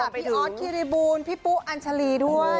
พี่ออดเกรียร์บูรณ์พี่ปุ๊อัญชรีด้วย